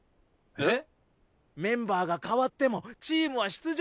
えっ。